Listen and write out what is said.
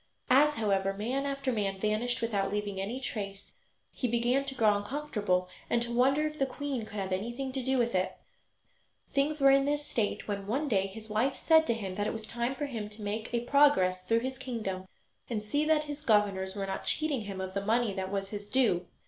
As, however, man after man vanished without leaving any trace, he began to grow uncomfortable and to wonder if the queen could have anything to do with it. Things were in this state when, one day, his wife said to him that it was time for him to make a progress through his kingdom and see that his governors were not cheating him of the money that was his due.